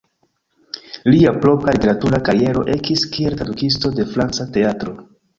Lia propra literatura kariero ekis kiel tradukisto de franca teatro.